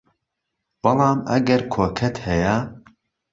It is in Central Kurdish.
بەڵام ئەگەر کۆکەت هەیە